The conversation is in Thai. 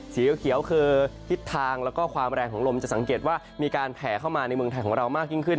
สีเขียวคือทิศทางแล้วก็ความแรงของลมจะสังเกตว่ามีการแผ่เข้ามาในเมืองไทยของเรามากยิ่งขึ้น